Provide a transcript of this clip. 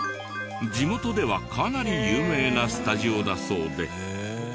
地元ではかなり有名なスタジオだそうで。